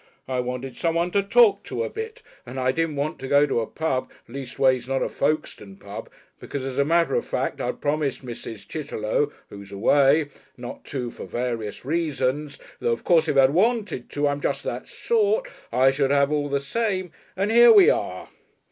I wanted someone to talk to a bit, and I didn't want to go to a pub, leastways not a Folkestone pub, because as a matter of fact I'd promised Mrs. Chitterlow, who's away, not to, for various reasons, though of course if I'd wanted to I'm just that sort I should have all the same, and here we are!